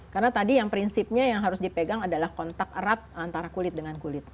karena tadi yang prinsipnya yang harus dipegang adalah kontak erat antara kulit dengan kulit